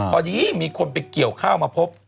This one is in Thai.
พอดีมีคนไปเกี่ยวข้าวมาพบ